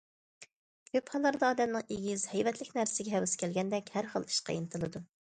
كۆپ ھاللاردا ئادەمنىڭ ئېگىز، ھەيۋەتلىك نەرسىگە ھەۋىسى كەلگەندەك، ھەر خىل ئىشقا ئىنتىلىدۇ.